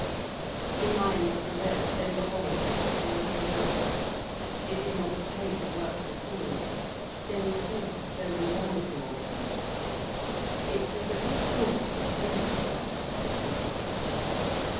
The mines were there, they were old. They were giving out, it did not pay to work the seams. There was talk of closing down two of them. It was at this point that Gerald arrived on the scene.